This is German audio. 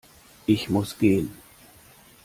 Ich muss gehen